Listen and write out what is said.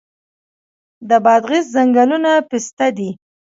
د بادغیس ځنګلونه پسته دي